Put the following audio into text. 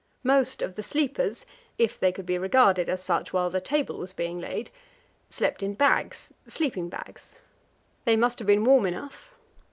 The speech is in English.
Most of the sleepers if they could be regarded as such while the table was being laid slept in bags sleeping bags. They must have been warm enough.